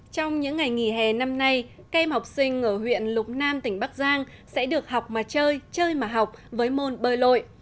trong những ngày nghỉ hè năm nay các em học sinh ở huyện lục nam tỉnh bắc giang sẽ được học mà chơi chơi mà học với môn bơi lội